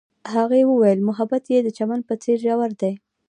هغې وویل محبت یې د چمن په څېر ژور دی.